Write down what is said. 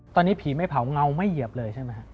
ตอนนี้ผีไม่เผาเงาไม่เหยียบเลยใช่ไหมฮะ